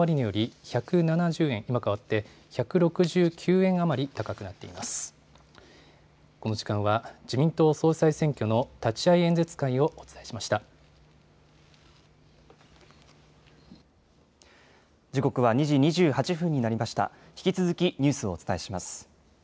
引き続きニュースをお伝えします。